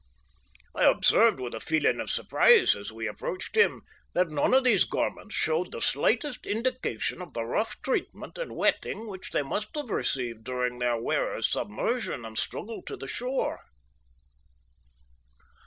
I observed with a feeling of surprise, as we approached him, that none of these garments showed the slightest indication of the rough treatment and wetting which they must have received during their wearer's submersion and struggle to the shore.